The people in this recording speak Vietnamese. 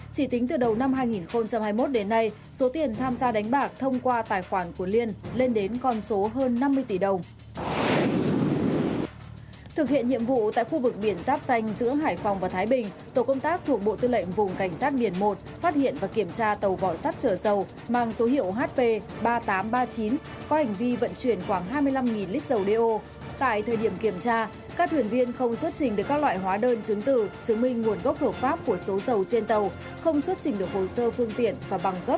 chỉ tính từ đầu năm hai nghìn hai mươi một đến nay số tiền tham gia đánh bạc thông qua tài khoản của liên lên đến còn số hơn năm mươi tỷ đồng